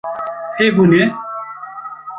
Hebûne